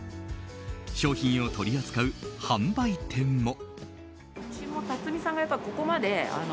商品を取り扱う販売店も。